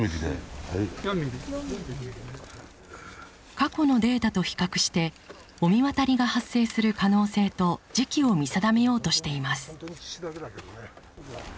過去のデータと比較して御神渡りが発生する可能性と時期を見定めようとしています。